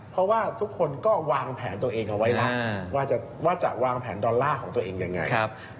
เพราะว่าทุกคนก็วางแผนตัวเองเอาไว้แล้วว่าจะวางแผนดอลลาร์ของตัวเองยังไง